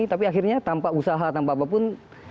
tapi akhirnya tanpa usaha tanpa apapun